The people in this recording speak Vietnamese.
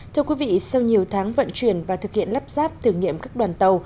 thưa quý vị sau nhiều tháng vận chuyển và thực hiện lắp ráp thử nghiệm các đoàn tàu